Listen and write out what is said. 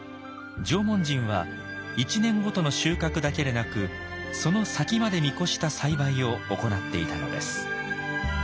縄文人は１年ごとの収穫だけでなくその先まで見越した栽培を行っていたのです。